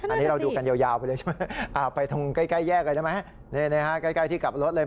อันนี้เราก็ยากไปดีไปใหญ่ไปเลย